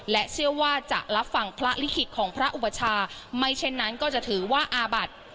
เชื่อว่าจะรับฟังพระลิขิตของพระอุปชาไม่เช่นนั้นก็จะถือว่าอาบัติ